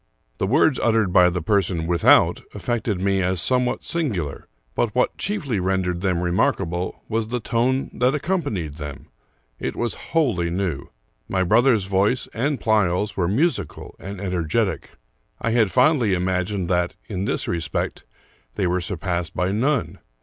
The words ut tered by the person without affected me as somewhat singular; but what chiefly rendered them remarkable was the tone that accompanied them. It was wholly new. My brother's voice and Pleyel's were musical and energetic. I had fondly imagined that, in this respect, they were sur passed by none.